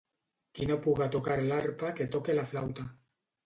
Qui no puga tocar l'arpa que toque la flauta